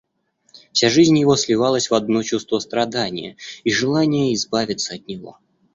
Вся жизнь его сливалась в одно чувство страдания и желания избавиться от него.